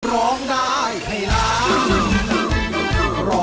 ร้องได้ให้ร้อง